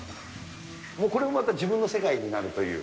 これもまた自分の世界になるという。